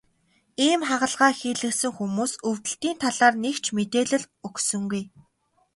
Ийм хагалгаа хийлгэсэн хүмүүс өвдөлтийн талаар нэг ч мэдээлэл өгсөнгүй.